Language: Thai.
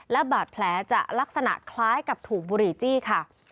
และบาดแผลจะลักษณะคล้ายกับถูกบุหรี่จี้ค่ะ